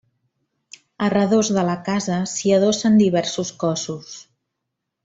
A redós de la casa s'hi adossen diversos cossos.